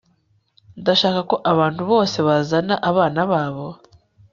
ndashaka ko abantu bose bazana abana babo